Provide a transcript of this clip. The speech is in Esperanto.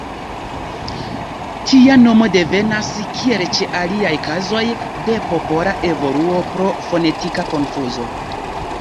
Tia nomo devenas, kiel ĉe aliaj kazoj, de popola evoluo pro fonetika konfuzo.